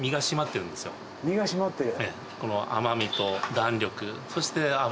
身が締まってる。